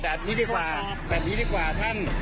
แบบนี้ดีกว่าแบบนี้ดีกว่าท่าน